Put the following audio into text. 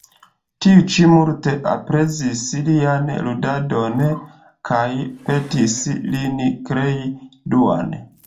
Tiu ĉi multe aprezis lian ludadon kaj petis lin krei Duan.